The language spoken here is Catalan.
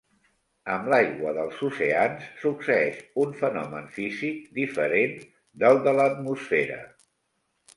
Amb l'aigua dels oceans succeeix un fenomen físic diferent del de l'atmosfera.